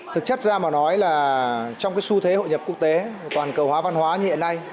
thực chất ra mà nói là trong cái xu thế hội nhập quốc tế toàn cầu hóa văn hóa như hiện nay